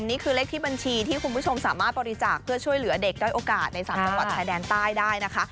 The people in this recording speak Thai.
นี่คือเลขที่บัญชีที่คุณผู้ชมสามารถบริจาคเพื่อช่วยเหลือเด็กด้อยโอกาสใน๓จังหวัดชายแดนใต้ได้นะคะ